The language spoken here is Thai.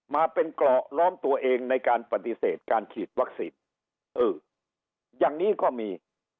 มาเป็นเกราะล้อมตัวเองในการปฏิเสธการฉีดวัคซีนเอออย่างนี้ก็มี